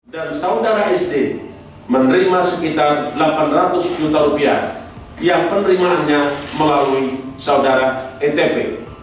dan saudara sd menerima sekitar delapan ratus juta rupiah yang penerimaannya melalui saudara etp